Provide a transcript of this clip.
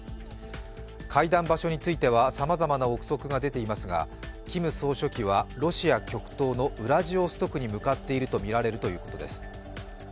会談場所についてはさまざまな憶測が出ていますが、キム総書記はロシア極東のウラジオストクに向かっているとみられるということです。